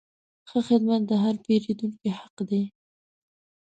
ښه خدمت د هر پیرودونکي حق دی.